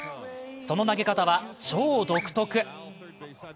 その投げ方は超独特。